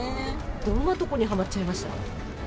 どんなところにはまっちゃいました？